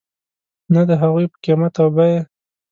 نه د هغوی په قیمت او بیې .